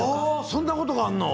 そんなことがあんの！